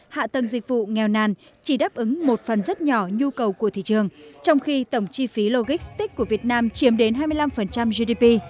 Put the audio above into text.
hạ tầng dịch vụ nghèo nàn chỉ đáp ứng một phần rất nhỏ nhu cầu của thị trường trong khi tổng chi phí logistics của việt nam chiếm đến hai mươi năm gdp